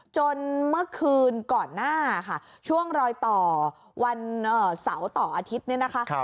จนเมื่อคืนก่อนหน้าค่ะช่วงรอยต่อวันเสาร์ต่ออาทิตย์เนี่ยนะคะ